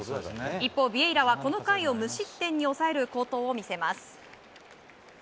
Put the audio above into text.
一方、ビエイラはこの点を無失点に抑える好投を見せます。